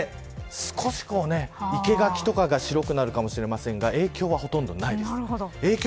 降ってて、少し生け垣とかが白くなるかもしれませんが影響はほとんどないです。